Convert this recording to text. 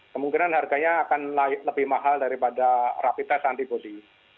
kemungkinan harganya akan lebih mahal daripada rapi tes antibody